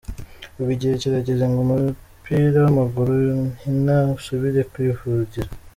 "Ubu igihe kirageze ngo umupira w'amaguru nkina usubire kwivugira.